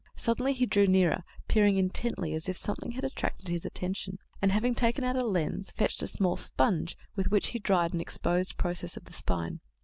Suddenly he drew nearer, peering intently as if something had attracted his attention, and having taken out his lens, fetched a small sponge, with which he dried an exposed process of the spine.